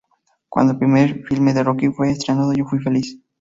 Cuando el primer filme de Rocky fue estrenado yo fui feliz.